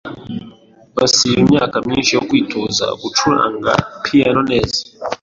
Bisaba imyaka myinshi yo kwitoza gucuranga piyano neza.